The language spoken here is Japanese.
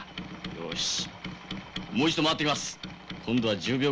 よし！